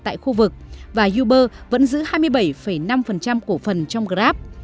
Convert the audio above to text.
tại khu vực và uber vẫn giữ hai mươi bảy năm cổ phần trong grab